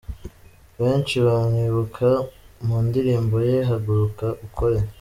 Benshi bamwibuka mu ndirimbo ye Haguruka ukore.